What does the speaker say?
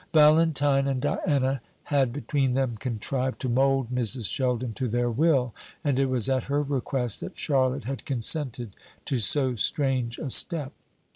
Valentine and Diana had between them contrived to mould Mrs. Sheldon to their will; and it was at her request that Charlotte had consented to so strange a step.